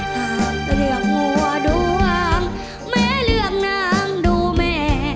หากเลือกหัวดวงแม่เลือกนางดูแม่